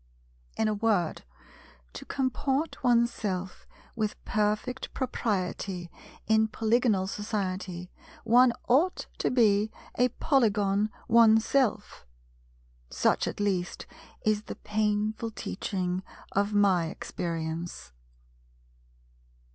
In a word, to comport oneself with perfect propriety in Polygonal society, one ought to be a Polygon oneself. Such at least is the painful teaching of my experience.